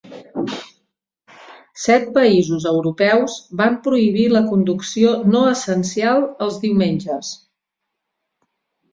Set països europeus van prohibir la conducció no essencial els diumenges.